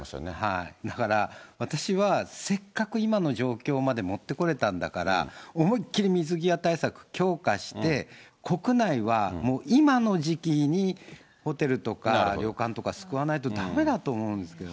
だから、私はせっかく今の状況まで持ってこれたんだから、思いっ切り水際対策強化して、国内はもう、今の時期にホテルとか旅館とか救わないとだめだと思うんですけど